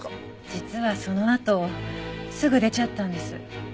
実はそのあとすぐ出ちゃったんです。